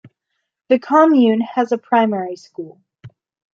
The commune has a primary school.